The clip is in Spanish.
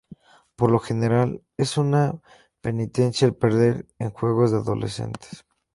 Por lo general es una penitencia al perder en juegos de adolescentes.